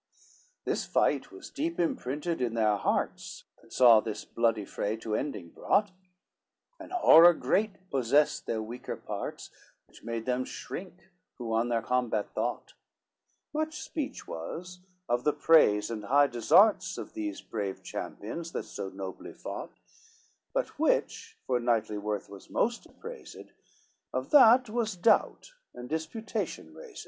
LIV This fight was deep imprinted in their hearts That saw this bloody fray to ending brought, An horror great possessed their weaker parts, Which made them shrink who on their combat thought: Much speech was of the praise and high desarts Of these brave champions that so nobly fought; But which for knightly worth was most ypraised, Of that was doubt and disputation raised.